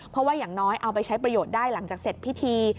เพราะว่าอย่างน้อยเอาไปใช้ประโยชน์ได้หลังจากเสร็จพิธี